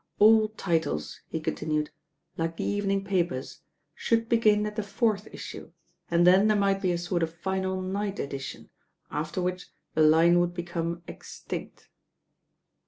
"All titles," he continued, "like the evening papers, should begin at the fourth issue, and then there might be a sort of final night edition, after which the line would become extinct."